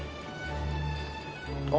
あ！